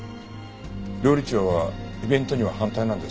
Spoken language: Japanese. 料理長はイベントには反対なんですか？